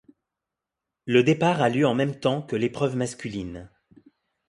Le départ a lieu en même temps que l'épreuve masculine.